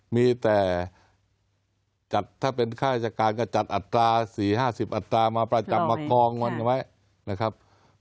มีแต่ถ้าเป็นใครราชการก็จัดอัตรา๔๕๐อัตรามาประจำประคองมันไงไหม